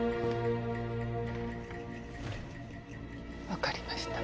わかりました。